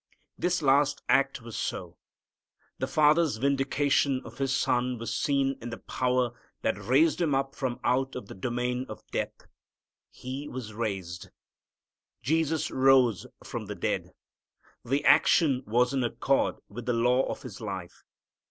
This last act was so. The Father's vindication of His Son was seen in the power that raised Him up from out of the domain of death. He was raised. Jesus rose from the dead. The action was in accord with the law of His life.